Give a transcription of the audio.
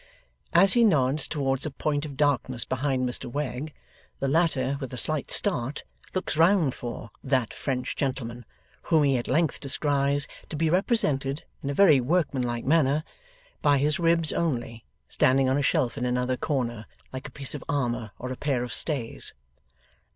As he nods towards a point of darkness behind Mr Wegg, the latter, with a slight start, looks round for 'that French gentleman,' whom he at length descries to be represented (in a very workmanlike manner) by his ribs only, standing on a shelf in another corner, like a piece of armour or a pair of stays.